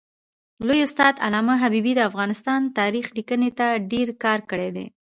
لوی استاد علامه حبیبي د افغانستان تاریخ لیکني ته ډېر کار کړی دی.